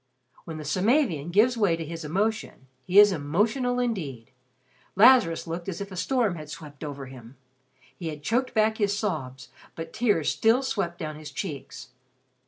When the Samavian gives way to his emotions, he is emotional indeed. Lazarus looked as if a storm had swept over him. He had choked back his sobs, but tears still swept down his cheeks.